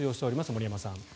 森山さん。